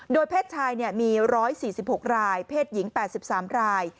โดยเพศชายมี๑๔๖รายเพศหญิง๘๓ราย